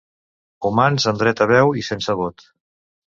Humans, amb dret a veu i sense vot.